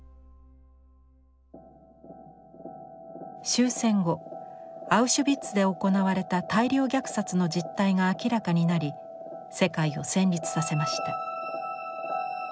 終戦後アウシュビッツで行われた大量虐殺の実態が明らかになり世界を戦慄させました。